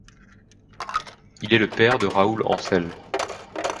Il est le père de Raoul Ancel.